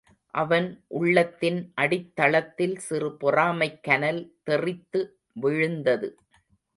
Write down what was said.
அவன் உள்ளத்தின் அடித்தளத்தில் சிறு பொறாமைக் கனல் தெறித்து விழுந்தது.